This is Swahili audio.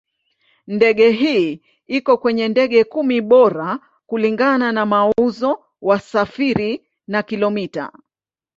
Ndege hii iko kwenye ndege kumi bora kulingana na mauzo, wasafiri na kilomita.